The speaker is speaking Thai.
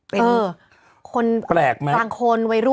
เป็นคนกลางคนวัยรุ่นอะไรอย่างนี้